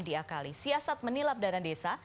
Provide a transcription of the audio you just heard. diakali siasat menilap dana desa